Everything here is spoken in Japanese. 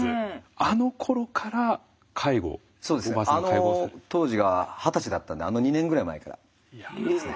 あの当時が二十歳だったんであの２年ぐらい前からですね。